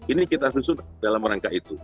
ini kita susun dalam rangka itu